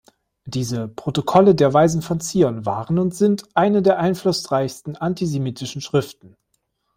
Diese "Protokolle der Weisen von Zion" waren und sind eine der einflussreichsten antisemitischen Schriften.